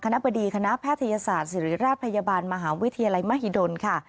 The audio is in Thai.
บดีคณะแพทยศาสตร์ศิริราชพยาบาลมหาวิทยาลัยมหิดลค่ะ